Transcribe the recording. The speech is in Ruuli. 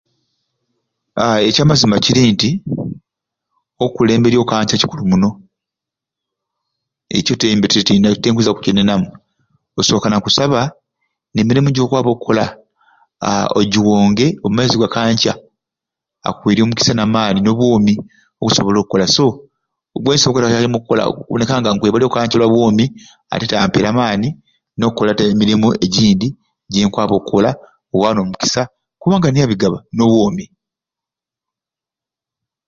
Aaa ekyamazima kiri nti okkulemberya o kanca kikulu muno ekyo te mbe tenina tinkwiza ku kinenamu, osooka na kusaba, n'emirimu gyokwaba okkola aa ogiwonge omu maiso ga kanca akuweerye omukisa n'amaani n'obwomi osobole okkola so kyenkusooka okkola nkwebalya o kanca oku lwabwomi ate era amperye amaani agakkola emirimu egindi ginkwaba okkola oba n'omukisa kubanga niye abigaba n'obwomi